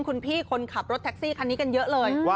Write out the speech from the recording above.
คุณพี่คนขับรถแท็กซี่คันนี้กันเยอะเลย